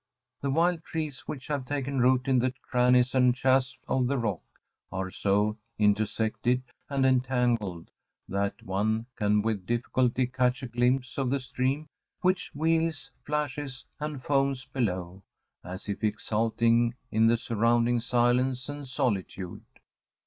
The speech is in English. The wild trees which have taken root in the crannies and chasms of the rock are so intersected and entangled, that one can with difficulty catch a glimpse of the stream which wheels, flashes, and foams below, as if exulting in the surrounding silence and solitude.